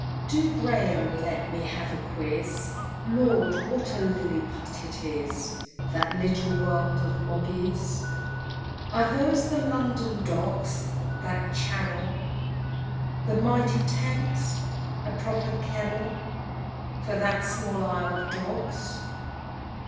V. Do, Graham, let me have a quiz; Lord! what a Lilliput it is. That little world of Mogg's! Are those the London Docks? that channel, The mighty Thames? a proper kennel For that small Isle of Dogs!